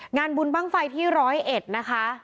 งานบุญบ้างไฟที่ร้อยเอ็ดนะคะ